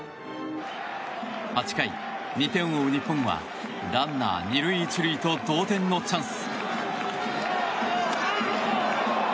８回、２点を追う日本はランナー２塁１塁と同点のチャンス。